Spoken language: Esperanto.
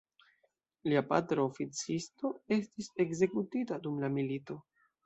Lia patro oficisto estis ekzekutita dum la milito.